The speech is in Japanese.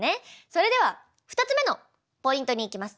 それでは２つ目のポイントにいきます。